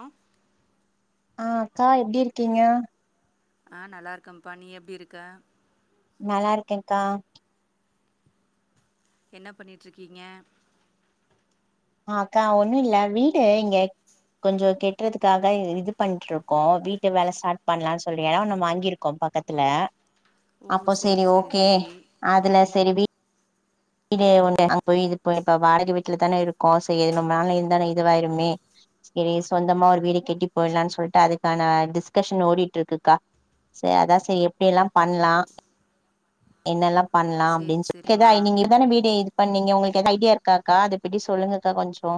ஆ ஆ அக்கா எப்டி இருக்கீங்க ஆ நல்லா இருக்கம்ப்பா நீ எப்டி இருக்க நல்லா இருக்கேங்க்கா என்ன பண்ணிட்டிரிக்கீங்க ஆ அக்கா ஒன்னு இல்ல வீடு இங்க கொஞ்சோ கெட் கட்றதுக்காக இது பண்ட்ரிருக்கோ வீட்டு வேல ஸ்டார்ட் பண்ணலான்னு சொல்லி எடோ ஒன்னு வாங்கிருக்கோ பக்கத்துல ஓ அப்போ சேரி செரி சேரி ஓகே சேரி அதுல செரி வீ வீடு ஒன்னு அங்க போய் இது இப்ப வாடக வீட்ல தான இருக்கோ செரி ரொம்ப நாள் இருந்த இதுவாயிருமே செரி சொந்தமா ஒரு வீடு கெட்டி போயிரலான்னு சொல்லிட்டு அதுக்கான டிஸ்கஷன் ஓடிட்ருக்குக்கா செரி அதா செரி எப்டி எல்லா பண்லா என்னெல்லா பண்லா சேரி அப்டின்னு சொ அதா சேரிம்மா நீங்க இ இப்பதான வீடு இது பண்ணீங்க உங்களுக்கு எது ஐடியா இருக்காக்கா அதப்பற்றி சொல்லுங்கக்கா கொஞ்சோ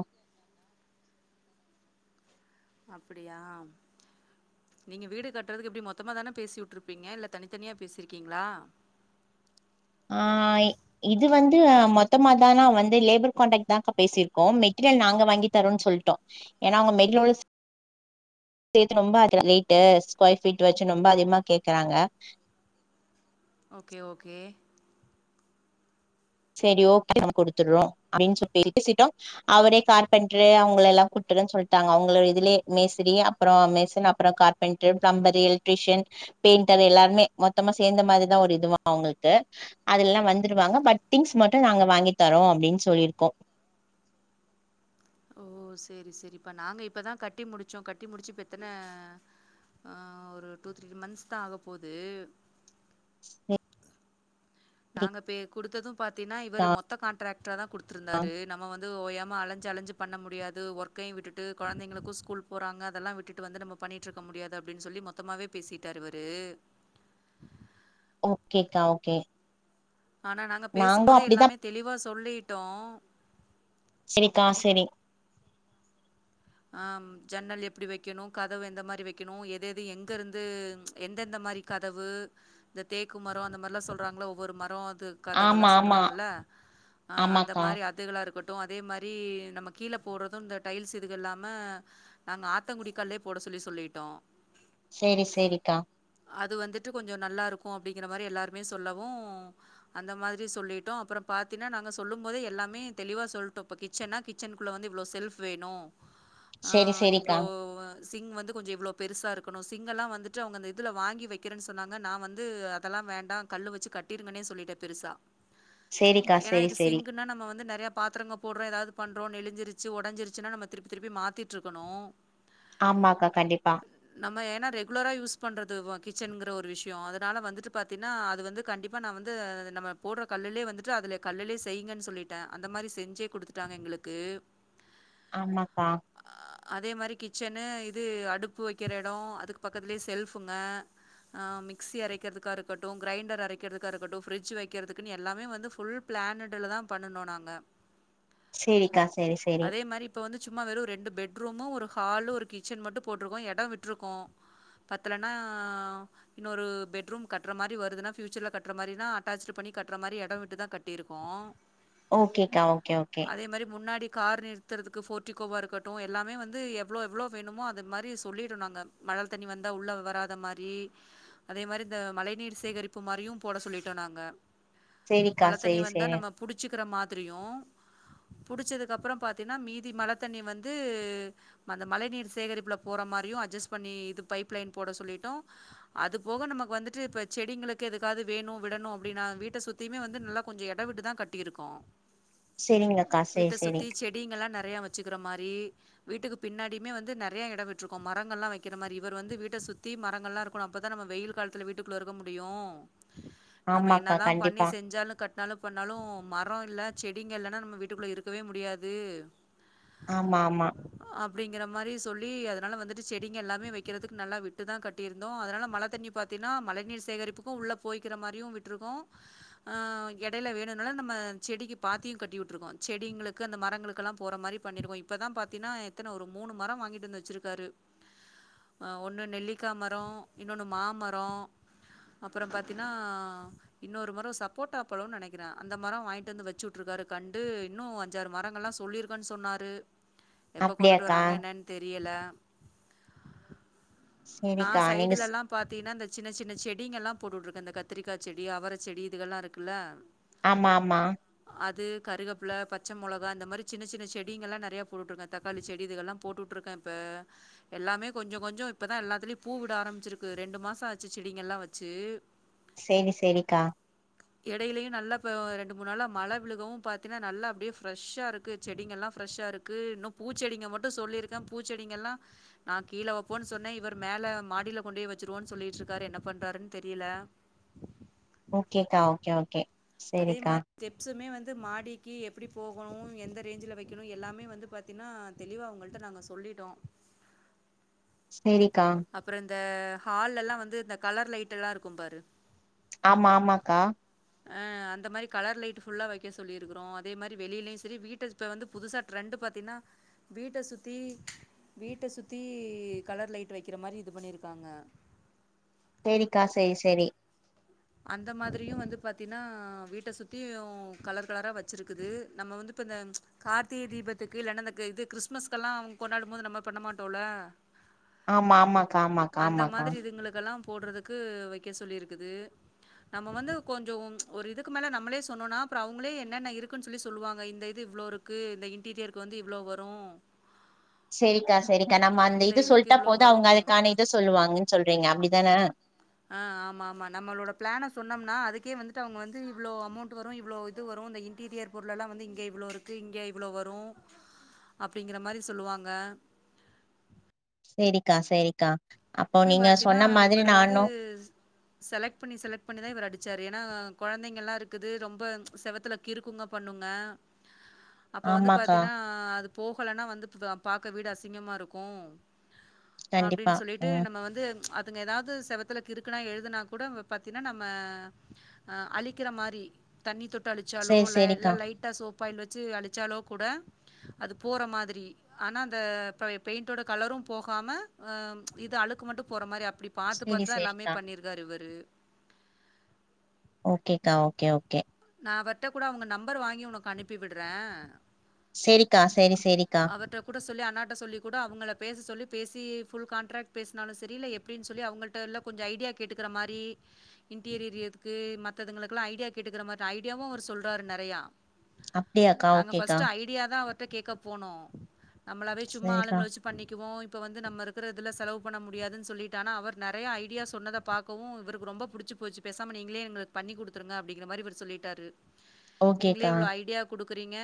அப்படியா நீங்க வீடு கட்றதுக்கு எப்டியு மொத்தமா தான பேசி உட்ருப்பீங்க இல்ல தனித்தனியா பேசிருக்கீங்களா ஆ இது வந்து மொத்தமாதா நா வந்து லேபர் காண்டாக்ட் தான்கா பேசிருக்கோ மெட்டீரியல் நாங்க வாங்கி தரோன் சொல்ட்டோ ஏனா அவுங்க [unintelligible] சேத்து நொம்ப ஆகுது ரேட்டு ஸ்கொயர் ஃபீட் வச்சு நொம்ப அதிகமா கேக்குறாங்க ஓகே ஓகே சரி ஓகே நாங்க குடுத்துர்ரோ அப்டின்னு சொல்லி பேசிட்டோ அவரே கார்பெண்ட்ரு அவங்கள எல்லா கூட் ட்டுறன் சொல்ட்டாங்க அவுங்கள இதுலே மேஸ்திரி அப்றோ மேசன் அப்றோ கார்பென்டர் பிளம்பரு எலக்ட்ரீஷியன் பெயிண்டர் எல்லாருமே மொத்தமா சேந்த மாதிரிதா ஒரு இதுவா அவுங்களுக்கு அதுல்லா வந்துருவாங்க பட் திங்ஸ் மட்டு நாங்க வாங்கி தரோ அப்டின் சொல்லிருக்கோ ஓ சேரி சேரிப்பா நாங்க இப்பதா கட்டி முடிச்சோ கட்டி முடிச்சு இப்ப எத்தன ஆ ஒரு டூ த்ரீ மந்த்ஸ் தா ஆகப்போது நாங்க பே குடுத்தது பாத்தீன்னா இவரு சரிக்கா மொத்த காண்ட்ராக்டராதா குடுத்துருந்தாரு நம்ம வந்து ந்து ஓயாம அலைஞ்சு அலைஞ்சு பண்ண முடியாது ஒர்க்கையு விட்டுட்டு கொழந்தைகளுக்கு ஸ்கூல் போறாங்க அதெல்லா விட்டுட்டு வந்து நம்ம பண்ணிட்ருக்க முடியாது அப்டின் சொல்லி மொத்தமாவே பேசிட்டாரு இவரு ஓகேக்கா ஓகே ஆனா நாங்க பேசும் நாங்களு போதே அப்டிதா எல்லாமே தெளிவா சொல்லிட்டோ செரிக்கா செரி ஆ ஜன்னல் எப்டி வெக்கணு கதவு எந்த மாரி வெக்கணு எது எது எங்கருந்து ம் எந்தெந்த மாரி கதவு இந்த தேக்கு மரோ அந்த மார்லா சொல்றாங்கல்ல ஒவ்வொரு மரோ அது கதவெல்லா ஆமா ஆமா சொல்றாங்கல்ல ஆ அந்த ஆமாக்கா மாரி அக் த்துகளா இருக்கட்டு அதே மாரி நம்ம கீழ போட்றது இந்த டைல்ஸ்சு துக இல்லாம நாங்க ஆத்தங்குடி கல்லே போட சொல்லி சொல்லிட்டோ சேரி சேரிக்கா அது வந்துட்டு கொஞ்சோ நல்லா இருக்கு அப்டிங்கிற மாரி எல்லாருமே சொல்லவு அந்த மாதிரி சொல்லிட்டோ அப்றோ பாத்தினா நாங்க சொல்லும் போதே எல்லாமே தெளிவா சொல்ட்டோ இப்ப கிச் ச்சன்னா கிச்சன் குள்ள வந்து இவ்ளோ செல்ஃப் வேணு ஆ சரி சரிக்கா இவ்ளோ சிங் வந்து கொஞ்சோ இவ்ளோ பெருசா இருக்கணு சிங்கல்லா வந்துட்டு அவங்க இந்த இதுல வாங்கி வைக்கிறன் சொன்னாங்க நா வந்து அதெல்லா வேண்டா கல்லு வச்சு கட்டிருங்கன்னே சொல்லிட்டே பெருசா சரிக்கா ஏனா சரி இது சரி சிங்குன்னா நம்ம வந்து நெறைய பாத்திரங்க போட்றோ எதாது பண்றோ நெலிஞ்சிருச்சு ஒடஞ்சிருச்சுன்னா நம்ம திருப்பி திருப்பி மாத்திட்ருக்கணு ஆமாக்கா கண்டிப்பா நம்ம ஏனா ரெகுலராா யூஸ் பண்றது வ கிச்சன்ங்குற ஒரு விஷ்யோ அதுனால வந்துட்டு ப த்தினா அது வந்து கண்டிப்பா நா வந்து நம்ம போட்ற கல்லுலே வந்துட்டு அதுல கல்லுலே செய்ங்கன் சொல்லி ட்டே அந்த மாரி செஞ்சே குடுத்துட்டாங்க எங்குளுக்கு ஆமாக்கா அதே மாரி கிச்சன்னு இது அடுப்பு வக்கிற எடோ அதுக்கு பக்கத்துலே செல்ஃபுங்க அ மிக்சி அரைக்றதுக்கா இருக்கட்டு கிரைண்டர் அரைக்றதுக்கா இருக்கட்டு பிரிட்ஜ் வைக்கிறதுக்குன் எல்லாமே வந்து ஃபுல் பிளான் டுலதா பண்ணுனோ நாங்க சேரிக்கா சேரி சேரி அதே மாரி இப்ப வந்து சும்மா வெறு ரெண்டு பெட்ரூமு ஒரு ஹாலு ஒரு கிச்சன் மட்டு போட்ருக்கோ எடோ விட்ருக்கோ பத்தலன்னா இன்னொரு பெட்ரூம் கட்ற மாரி வருதுன்னா ஃபியூச்சர்ல கட்ற மாரினா அட்டாச்டு பண்ணி கட்ற மாரி எடோ விட்டு தா கட் ட்டிருக்கோ ஓகேக்கா ஓகே ஓகே அதே மாரி முன்னாடி கார் நிறுத்தறதுக்கு ஃபோ ர்ட்டிக்கோவா இருக்கட்டு எல்லாமே வந்து எவ்ளோ எவ்ளோ வேணுமோ அதே மாரி சொல்லிறனு அங்க மழ தண்ணி வந்தா உள்ள வராத மாரி அதே மாரி இந்த மழை நீர் சேகரிப்பு மாரியு போட சொல்லிட்டோ நாங்க சேரிக்கா மழ தண்ணி சேரி வந்தா சேரி நம்ம புடிச்சுக்குற மாதிரியு புடிச்சதுக்கப்றோ பாத்தினா மீதி மழ தண்ணி வந்து அந்த மழை நீர் சேகரிப்புல போற மாரியு அட்ஜஸ்ட் பண்ணி இது பைப் லைன் போட சொல்லிட்டோ அது போக நமக்கு வந்துட்டு இப்ப செடிங்களுக்கு எதுக்காது வேணு விடணு அப்டின்னா வீட்ட சுத் த்தியுமே வந்து நல்லா கொஞ்சோ எடோ விட்டுதா கட்டிருக்கோ சேரிங்கக்கா சேரி வீட்ட சேரி சுத்தி செடிங்கல்லா நெறைய வச்சுக்குற மாரி வீட்டுக்கு பின்னாடியுமே வந்து நெறைய எடோ விட்ருக்கோ மரங்கள்லா வெக்கிற மாரி இவர் வந்து வீட்ட சுத்தி மரங்கள்லா க்கணு அப்பதா நம்ம வெயில் கால்த்துல வீட்டுக்குள்ள இருக்க முடியு நம்ம ஆமாக்கா என்னதா பண்ணி கண்டிப்பா செஞ்சாலு கட் னாலு பண்ணாலு மரோ இல்ல செடிங்க இல்லனா நம்ம வீட்டுக்குள்ள இருக்கவே முடியாது ஆமாமா அப்டிங்கற மாரி சொல்லி அதனால வந்துட்டு செடிங்க எல்லாமே வெக்கிறதுக்கு நல்லா விட்டுதா கட் ட்டிருந்தோ அதனால் மழ தண்ணி பாத்தீனா மழை நீர் சேகரிப்புக்கு உள்ள போய்க்கிற மாரியு விட்ருக்கோ ஆ எடைல வேணுனாலு நம்ம செடிக்கு பாத்தியு கட்டிவுட்டுருக்கோ செடிங்களுக்கு அந்த மரங்களுக்கெல்லா போற மாரி பண்ணிருக்கோ இப்பதா பாத்தீனா எத்தன ஒரு மூனு மரோ வாங்கிட்டு வந்து வச்சுருக்காரு அ ஒன்னு நெல்லிக்கா மரோ இன்னொன்னு மாமரோ அப்பறோ பாத்தீனா இன்னொரு மரோ சப்போட்டா பழோ நெனைக்குறே அந்த மரோ வாங்ட்டு வந்து வச்சுட்டுருக்காரு கன்டு இன்னு அஞ்சாறு மரங்கள்லா சொல்லிரு க்கு சொன்னாரு எப்ப கொண்டுட்டு அப்டியாக்கா வராங்க என்னன் தெரியல நா சேரிக்கா நீங்க ஸ் சைடுலல்லா பாத்தீனா இந்த சின்ன சின்ன செடிங்கள்லா போட்டுட்ருக்கே இந்த கத்திரிக்கா செடி அவர செடி இதுகல்லா இருக்குல்ல ஆமாம்மா அது கருகப்புல பச்ச மொளகா இந்த மாரி சின்ன சின்ன செடிங்கலா நெறைய போட்டுட்ருக்கே தக்காளி செடி இதுகல்லா போட்டுட்ருக்கே இப்ப எல்லாமே கொஞ்ச கொஞ்ச இப்பதா எல்லாத்துலயு பூ விட ஆரம்பிச்சிருக்கு ரெண்டு மாசோ ஆச்சு செடிங்கல்லா வச்சு சேரி செரிக்கா எடையிலயு நல்லா ப ரெண்டு மூன் நாள மழ விழுகவு பாத்தீனா நல்லா அப்டியே ஃபிரெஷ்ஷா இருக்கு செடிங்கல்லா ஃப்ரெஷ்ஷா இருக்கு இன்னு பூச்செடிங்க மட்டு சொல்லிருக்கே பூச்செடிங்கள்லா நா கீழ வப்போன் சொன்னே இவர் மேல மாடில கொண்டுவோய் வச்சருவோன் சொல்லிட்ருக்காரு என்ன பண்றாருன் தெரில ஓகேக்கா ஓக்கே ஓக்கே அதேமாரி ஸ்டெப்ஸுமே வந்து மாடிக்கு எப்புடி போகணு எந்த ரேஞ்ச்ல வெக்கணு எல்லாமே வந்து பாத் தீனா தெளிவா அவ்ங்கள்ட்ட நாங்க சொல்லிட்டோ செரிக்கா அப்பறோ இந்த ஹால்லலா வந்து இந்த கலர் லைட்டல்லா இருக்கும் பாரு ஆம்மா ஆமாக்கா அ அந்த மாரி கலர் லைட்டு ஃபுல்லா வெக்க சொல்லிருக்குறோ அதே மாரி வெளிலயு செரி வீட்ட இப்ப வந்து புதுசா ட்ரெண்டு பாத்தீனா வீட்ட சுத்தி வீட்ட சுத்தி கலர் லைட்டு வெக்கிற மாரி இது பண்ணிருக்காங்க சேரிக்கா செரி செரி அந்த மாதிரியு வந்து பாத்தீனா வீட்ட சுத்தியு கலர் கலரா வச்சிருக்குது நம்ம வந்து இப்ப இந்த கார்த்திக தீபத்துக்கு இல்லன்னா இந்த அ இது கிறிஸ்மஸ்கெல்லா கொண்டாடும் போது நம்ம பண்ண மாட்டோல ஆமா ஆமாக்கா ஆமாக்கா அந்த ஆமாக்கா மாதிரி இதுங்களுக்கெல்லா போட்றதுக்கு வெக்க சொல்லிருக்குது நம்ம வந்து கொஞ்சோ ஒரு இதுக்கு மேல நம்மளே சொன்னோனா அப்பறோ அவுங்களே என்னென்ன இருக்குன் சொல்லி சொல்லுவாங்க இந்த இது இவ்ளோ இரு க்கு இந்த இன்டீரியர்க்கு வந்து இவ்ளோ வரு செரிக்கா செரிக்கா நம்ம அந்த இந்த இது இதுக்கு சொல்ட்டா இவ்ளோ போது அவுங்க வரும். அதுக்கான இத சொல்லுவாங்கன் சொல்றீங்க அப்டிதான ஆ ஆமாமா நம்மளோட ப்ளான சொன்னம்னா அதுக்கே வந்துட்டு அவுங்க வந்து இவ்ளோ அமௌண்ட்டு வரு இவ்ளோ இது வரு அந்த இன் ட்டீரியர் பொருளெலா வந்து இங்க இவ்ளோ இருக்கு இங்கே இவ்ளோ வரு அப்டிங்கிற மாரி சொல்லுவாங்க செரிக்கா செரிக்கா அப்ப இப்பயு நீங்க பாத்தீன்னா சொன்ன மாதிரி இவர் வந்து நானு செலக்ட் பண்ணி செலக்ட் பண்ணிதா இவரு அடிச்சாரு ஏன்னா கொழந்தைங்களா இருக்குது ரொம்ப செவத்துல கிறுக்குங்க பண்ணுங்க அப்ப வந்து ஆமாக்கா பாத்தீனா அது போகலன்னா வந்து பாக்க வீடு அசிங்கமா இருக்கு கண்டிப்பா அப்டின் சொல்லி ம் நம்ம வந்து அதுங்க எதாவது செவத்தல கிறுக்குனா எழுதுனா கூட பாத்தீனா நம்ம அ அழிக்கிற மாரி தண்ணி தொட்டு அழிச்சாலோ சேரி இல்ல சேரிக்கா லைட் ட்டா சோப்பாயில் வச்சு அழிச்சாலோ கூட அதுப் போற மாதிரி ஆனா அந்த பழய பெயிண்டோட கலரு போகாம அ இது அழுக்கு மட்டு போற மாரி அப்டி பாத்து சேரி பாத்துதா எல்லாமே சேரிக்கா பண்ணிருக்கு இதாரு இவரு ஓகேக்கா ஓகே ஓகே நா அவர்ட்ட கூட அவங்க நம்பர் வாங்கி உனக்கு அனுப்பி விட்ற செரிக்கா செரி செரிக்கா கூட சொல்லி அண்ணாட்ட சொல்லி கூட அவங்கள பேச சொல்லி பேசி ஃபுல் கான்ட்ராக்ட் பேசுனாலு சரி இல்ல எப்டின் சொல்லி அவங்கள்ட்ட இல்ல கொஞ்சோ ஐடியா கேட்டுக்கிற மாரி இன்டீரியர்க்கு மத்ததுங்களுக்கெல்லா ஐடியா கேட்டுக்கிற மாரி ஐடியாவு அவர் சொல்றாரு நெறயா அப்டியாக்கா நாங்க ஓகேக்கா ஃபர்ஸ்ட்டு ஐடியா தா அவர்ட்ட கேக்க போனோ நம்மளாவே சும்மா சேரிக்கா ஆளுங்கள வச்சு பண்ணிக்குவோ இப்ப வந்து நம்ம இருக்கற இதுல செலவு பண்ண முடியாதுன் சொல்லிட்டானா அவர் நெறய ஐடியா சொன்னத பாக்கவு இவர்க்கு ரொம்ப புடிச்சு போச்சு பேசாம நீங்களே எங்களுக் பண்ணி குடுத்துருங்க அப்டிங்கிற மாரி இவர் சொல்லிட்டாரு நீங்களே ஓகேக்கா இவ்ளோ ஐடியா குடுக்குறீங்க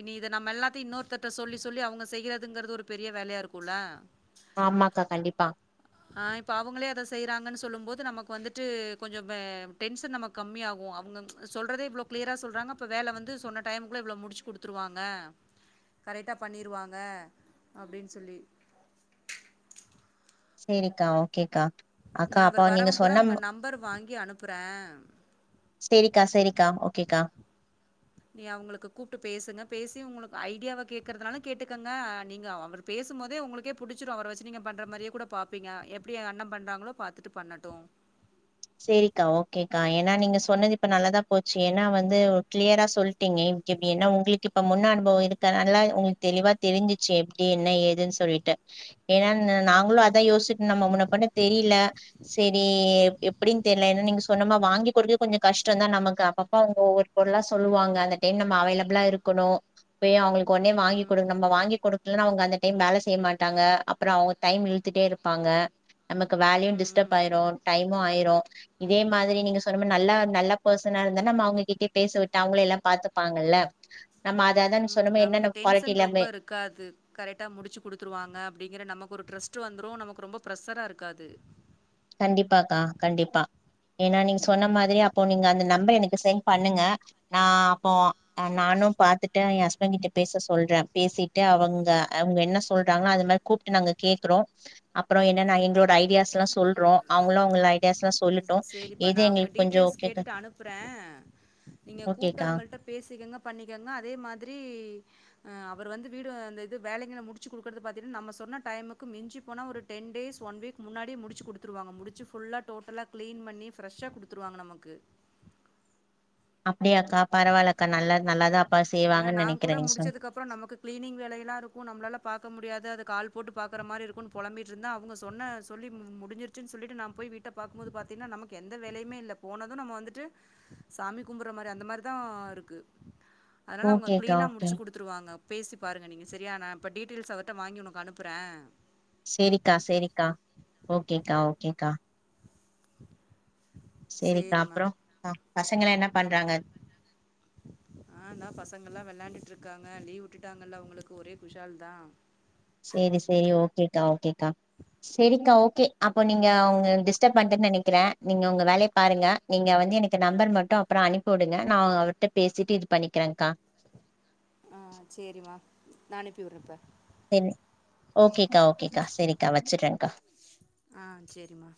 இனி இத நம்ம எல்லாத்தையு இன்னொருத்தட்ட சொல்லி சொல்லி அவங்க செய்யறதுங்கறது ஒரு பெரிய வேலையா இருக்குல ஆமாக்கா கண்டிப்பா ஆ இப்ப அவுங்களே அத செய்யறாங்கன் சொல்லு போது நமக்கு வந்துட்டு கொஞ்சோ டென்ஷன் நமக் கம்மி ஆகு அவங்க சொல்றதே இவ்ளோ கிளியரா சொல்றாங்க அப்ப வேல வந்து சொன்ன டைமுக்குள்ள இவ்ளோ முடிச்சு குடுத்துருவாங்க கரெக்டா பண்ணிருவாங்க அப்டின் சொல்லி செரிக்கா ஓகேக்கா அக்கா நா இவர் அப்ப நீங்க வரவுங்கூட சொன்ன உங்க நம்பர் வாங்கி அனுப்புற செரிக்கா செரிக்கா ஓகேக்கா நீ அவங்களுக்கு கூப்ட்டு பேசுங்க பேசி உங்களுக்கு ஐடியாவ கேட்கறதுனாலு கேட்டுக்கங்க நீங்க அவர் பேசும்போதே உங்களுக்கே புடிச்சிடு அவர வச்சு நீங்க பண்ணற மாரியே கூட பாப்பீங்க எப்டி ஏ அண்ண பண்றாங்களோ பாத்துட்டு பண்ணட்டு செரிக்கா ஓகேக்கா ஏன்னா நீங்க சொன்னது இப்ப நல்லாதா போச்சு ஏன்னா வந்து கிளியரா சொல்ட்டீங்க எப்டின்னா உங்களுக்கு இப்ப முன் அனுபவ இருக்கனாலா உங்களுக்கு தெளிவா தெரிஞ்சிச்சு எப்டி என்ன ஏதுன் சொல்லிட்டு ஏன்னா நாங்களு அதா யோசிச்சுட்டு நம்ம முன்ன பின்ன தெரில சரி எப் எப்டின் தெர்ல ஏன்னா நீங்க சொன்னோமா வாங்கி குடுக்க கொஞ்ச கஷ்டதா நமக்கு அப்பப்ப அவங்க ஒவ்வொரு பொருளா சொல்லுவாங்க அந்த டைம் நம்ம அவைளபிலா இருக்கணு போய் அவங்களுக்கு ஒன்னே ம் வாங்கிகுடு ம். நம்ம வாங்கிகுடு இல்லனா அவங்க அந்த டைம் வேல செய்ய மாட்டாங்க அப்பற அவங்க டைம் இழுத்துட்டே இருப்பாங்க நமக்கு வேலயு ம் டிஸ்டர்ப் ம். ஆயிரு டைமு ஆய் ம் இதே மாதிரி நீங்க சொன்ன நல்ல நல்ல பர்சனா இருந்தா நம்ம அவங்ககிட்டையே பேச விட்டு அவங்களே எல்லா பாத்துப் ப்பாங்கல்ல நம்ம அத அதனு சொன்னுமே என்னென்ன குவாலிட்டி எல்லாமே காது கரக்ட்டா முடிச்சு குடுத்துருவாங்க அப்டிங்கிற நமக்கு ஒரு ட்ரஸ்ட்டு வந்துரு நமக்கு ரொம்ப ப்ரெஷ்ஷரா இருக்காது கண்டிப்பாக்கா கண்டிப்பா ஏன்னா நீங்க சொன்ன மாதிரி அப்போ நீங்க அந்த நம்பர் எனக் சென்ட் பண்ணுங்க நா அப்போ அ நானு பாத்துட் டு ஏன் ஏ ஹஸ்பண்ட் கிட்ட பேச சொல்ற பேசிட்டு அவங்க அவங்க என்ன சொல்றாங்களோ அது மாரி கூப்ட்டு நாங்க கேக்குறோ அப்றோ என்னனா எங்ளோட ஐடியாஸ்ல்லா சொல் ரோ அவுங்களு அவுங்க ஐடியாஸ்ல்லா சொல்லுட்டு சரிப்பா எது நான் அவங்க எங்களுக்கு கொஞ்சோ டீட்டெயில்ஸ் கேக்க கேட்டுட்டு அனுப்புறேன். நீங்க கூப்டு அவங்கள்ட்ட பேசிக்கங்க பண்ணிக்கங்க அதே மாதிரி அவர் வந்து வீடு அந்த இது வேலைகள முடிச்சு குடுக்கறத பாத்திங்னா நம்ம சொன்ன டைமுக்கு மிஞ்சி போனா ஒரு டென் டேஸ் ஒன் வீக் முன்னாடி முடிச்சு கொடுத்துருவாங்க முடிச்சு புல்லா டோட்டலா கிளீன் பண்ணி ஃபிரஷா கொடுத்துருவாங்க நமக்கு அப்டியாக்கா பரவால்லக்கா நல்லா நல்லாதா அப்பா செய்வாங்கன்னு நினைக்கிறே நீங்க சொன்ன அப்புறோ நமக்கு கிளீனிங்வேலையலா இருக்கு நம்மளால பாக்க முடியாது அதுக்கு ஆள் போட்டு பாக்குற மாதிரி இருக்கும்னு புழம்பிட்ருந்தே அவுங்க சொன்ன சொல்லி முடிஞ்சிருச்சு சொல்லிட்டு நா போய் வீட்ட பாக்கும்போது பாத்தீங்கன்னா நமக்கு எந்தவேலையுமே இல்ல போனதும் நம்ம வந்துட்டு சாமி கும்புற மாதிரி அந்த மாதிரி தா இருக்கு அதனால அவுங்க ஓகேக்கா கிளீனா ஓகே முடிச்சு குடுத் கொடுத்துருவாங்க பேசி பாருங்க நீங்க சரியா ந இப்போ டீட்டெயில்ஸ் அவருட்ட வாங்கி உனக்கு அனுப்புறே சேரிக்கா சேரிக்கா ஓகேக்கா ஓகேக்கா சேரிக்கா சேரிம்மா அப்புறோ ஆ பசங்களா என்ன பண்றாங்க ஆ இந்தா பசங்கல்லா விளையாண்டுட்டு இருக்காங்க லீவ் விட்டுட்டாங்கல்ல உங்களுக்கு ஒரே குஷால் தா சேரி சேரி ஓகேக்கா ஓகேக்கா சேரிக்கா ஓகே அப்போ நீங்க உங்க டிஸ்டர்பப் பண்ணிட்டேனு நினைக்கிறே நீங்க உங்க வேலைய பாருங்க நீங்க வந்து எனக்கு நம்பர் மட்டு அப்புறோ அனுப்பி விடுங்க நா அவிர்ட்ட பேசிட்டு இது பண்ணிக்கிறேக்கா ஆ சேரிமா நா அனுப்பி விடுறே இப்ப ஓகேக்கா ஓகேக்கா சரிக்கா வச்சுறேங்க்கா ஆஹ் சரிம்மா